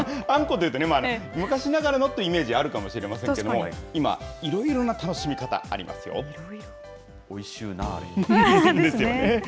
あんこといえば、昔ながらのというイメージあるかもしれませんけれども、いろいろな楽しみ方ありますよ。ですね。